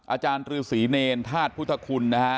อาจารย์ตรือศรีเนรทาสพุทธคุณนะฮะ